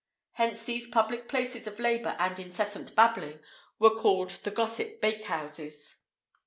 Hence these public places of labour and incessant babbling were called the "gossip bakehouses."